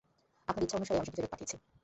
আপনার ইচ্ছা অনুসারে আমি সেটি ফেরত পাঠিয়েছি।